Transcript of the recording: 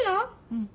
うん。